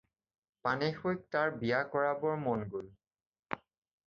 পানেশৈক তাৰ বিয়া কৰাবৰ মন গ'ল।